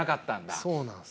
そうなんです。